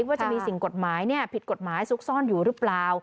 ว่าจะมีสิ่งกฎหมายผิดกฎหมายซุกซ่อนอยู่หรือเปล่า